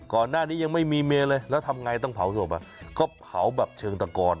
ก่อนหน้านี้ยังไม่มีเมียเลยแล้วทำไงต้องเผาศพก็เผาแบบเชิงตะกอน